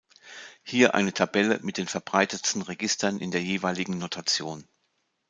Hier eine Tabelle mit den verbreitetsten Registern in der jeweiligen Notation.